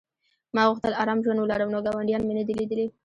ما غوښتل ارام ژوند ولرم نو ګاونډیان مې نه دي لیدلي